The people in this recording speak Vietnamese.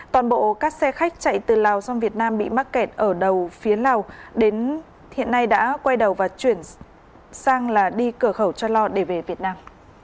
toàn bộ các xe khách chạy từ lào sang việt nam bị mắc kẹt ở đầu phía lào đến hiện nay đã quay đầu và chuyển sang là đi cửa khẩu cho lo để về việt nam